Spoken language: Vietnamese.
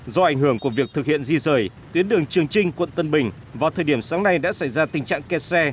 do ảnh hưởng của việc thực hiện di rời tuyến đường trường trinh quận tân bình vào thời điểm sáng nay đã xảy ra tình trạng kẹt xe